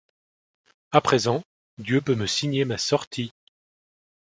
À présent Dieu peut me signer ma sortie.